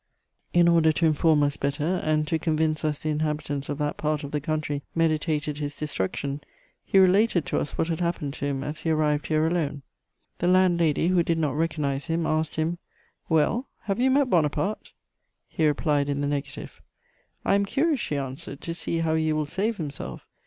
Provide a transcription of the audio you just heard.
In order to inform us better, and to convince us the inhabitants of that part of the country meditated his destruction, he related to us what had happened to him as he arrived here alone. The landlady, who did not recognise him, asked him: "'Well, have you met Buonaparte?' "He replied in the negative. "'I am curious,' she answered, 'to see how he will save himself.